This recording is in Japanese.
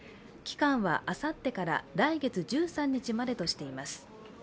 期間はあさってから来月１３日までとしています。